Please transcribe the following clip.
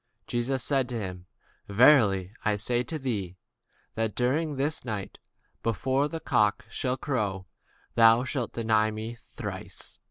Jesus said unto him, Verily I say unto thee, That this night, before the cock crow, thou shalt deny me thrice.